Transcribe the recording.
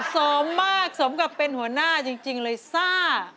สมมากสมกับเป็นหัวหน้าจริงเลยซ่า